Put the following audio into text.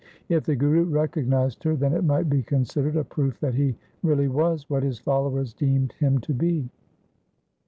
If the Guru recognized her, then it might be considered a proof that he really was what his followers deemed him to be.